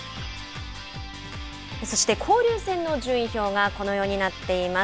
そして交流戦の順位表がこのようになっています。